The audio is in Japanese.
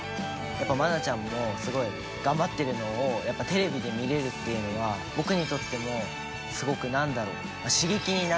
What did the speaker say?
やっぱ愛菜ちゃんもすごい頑張ってるのをやっぱテレビで見れるっていうのは僕にとってもすごくなんだろう刺激になるし。